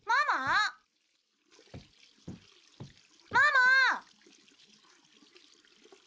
ママ！